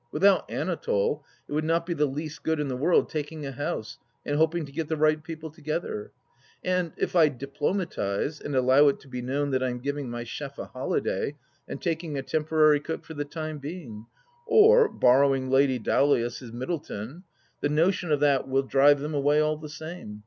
Without Anatole it would not be the least good in the world taking a house and hoping to get the right people together. And if I diplomatize and allow it to be known that I am giving my chef a holiday and taking a temporary cook for the time being, or borrowing Lady Dowlais' Myddleton, the notion of that will drive them away all the same.